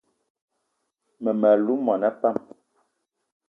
Mmem- alou mona pam